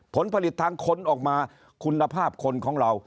ผลผลิตทางคนออกมาคุณภาพคนของเรา